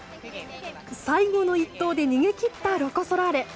最後の１投で逃げ切ったロコ・ソラーレ。